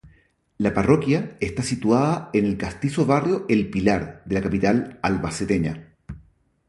La parroquia está situada en el castizo barrio El Pilar de la capital albaceteña.